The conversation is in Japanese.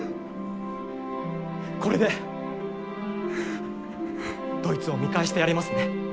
これでドイツを見返してやれますね。